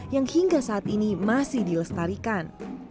yang hingga saat ini masih dilestarikan